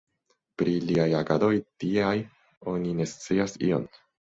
Pri liaj agadoj tieaj oni ne scias ion.